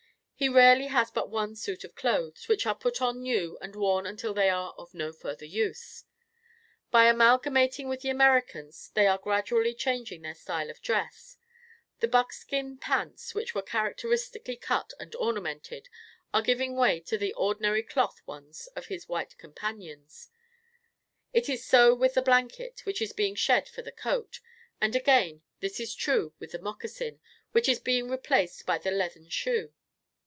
He rarely has but one suit of clothes, which are put on new and worn until they are of no further use. By amalgamating with the Americans, they are gradually changing their style of dress. The buckskin pants, which were characteristically cut and ornamented, are giving way to the ordinary cloth ones of his white companion. It is so with the blanket, which is being shed for the coat; and, again, this is true with the moccasin, which is being replaced by the leathern shoe.